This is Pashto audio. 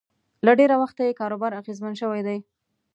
له ډېره وخته یې کاروبار اغېزمن شوی دی